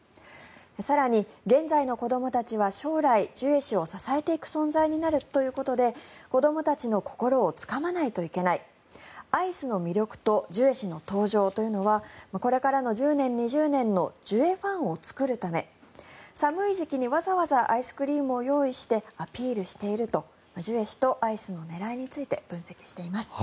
更に、現在の子どもたちは将来ジュエ氏を支えていく存在になるということで子どもたちの心をつかまないといけないアイスの魅力とジュエ氏の登場というのはこれからの１０年、２０年のジュエファンを作るため寒い時期に、わざわざアイスクリームを用意してアピールしているとジュエ氏とアイスの狙いについて分析しています。